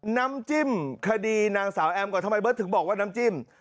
น้ำจิ้มคดีนางสาวแอมก่อนทำไมเบิร์ตถึงบอกว่าน้ำจิ้ม